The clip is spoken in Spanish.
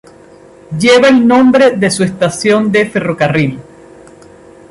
Lleva el nombre de su estación de ferrocarril.